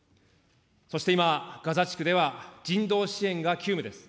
そして今、ガザ地区では人道支援が急務です。